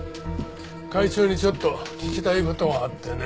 会長にちょっと聞きたい事があってね。